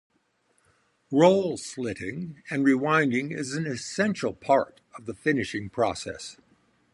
Roll slitting and rewinding is an essential part of the finishing process.